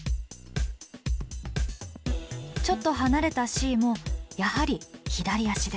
ちょっと離れたＣもやはり左足で。